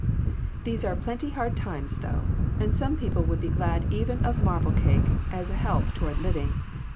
These are pretty hard times, though, and some people would be glad even of marble cake as a help toward living.